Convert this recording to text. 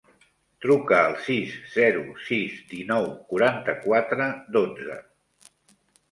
Truca al sis, zero, sis, dinou, quaranta-quatre, dotze.